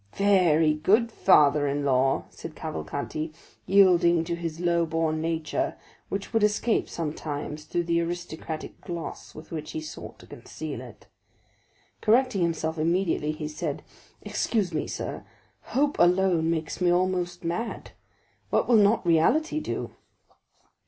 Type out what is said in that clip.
"Very good, father in law," said Cavalcanti, yielding to his low born nature, which would escape sometimes through the aristocratic gloss with which he sought to conceal it. Correcting himself immediately, he said, "Excuse me, sir; hope alone makes me almost mad,—what will not reality do?"